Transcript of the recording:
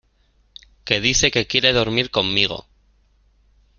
que dice que quiere dormir conmigo.